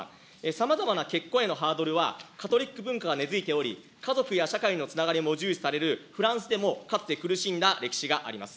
さまざまな結婚へのハードルは、カトリック文化が根付いており、家族や社会のつながりも重視されるフランスでも、かつて苦しんだ歴史があります。